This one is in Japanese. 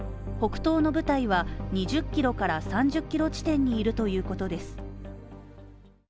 北東の部隊は２０ｋｍから３０ｋｍ地点にいるということです。